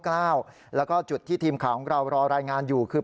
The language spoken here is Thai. แล้วก็จุดที่ทีมข่าวของเรารอรายงานอยู่คือ